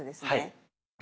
はい。